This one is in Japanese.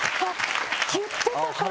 言ってたかも！